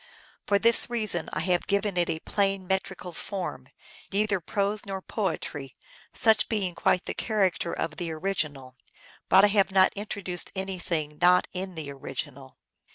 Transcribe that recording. For this reason I have given it a plain met rical form, neither prose nor poetry, such being quite the character of the original. But I have not intro duced anything not in the original.